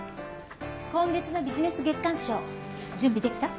今月のビジネス月間賞準備できた？